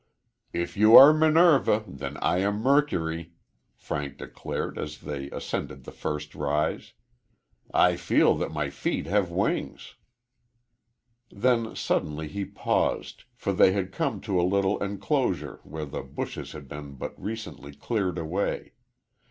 "If you are Minerva, then I am Mercury," Frank declared as they ascended the first rise. "I feel that my feet have wings." Then suddenly he paused, for they had come to a little enclosure, where the bushes had been but recently cleared away.